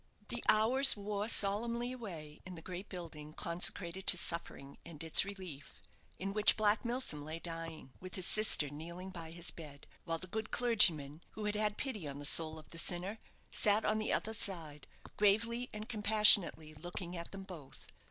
The hours wore solemnly away in the great building, consecrated to suffering and its relief, in which Black Milsom lay dying, with his sister kneeling by his bed, while the good clergyman, who had had pity on the soul of the sinner, sat on the other side, gravely and compassionately looking at them both.